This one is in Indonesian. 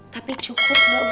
tapi cukup gak usah ikutin amarah